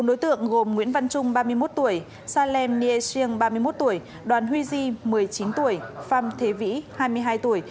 bốn đối tượng gồm nguyễn văn trung ba mươi một tuổi sa lêm nghê siêng ba mươi một tuổi đoàn huy di một mươi chín tuổi pham thế vĩ hai mươi hai tuổi